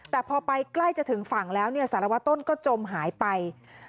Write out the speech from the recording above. แต่พอไปใกล้จะถึงฝั่งแล้วสารวัตต้นก็จมหายไป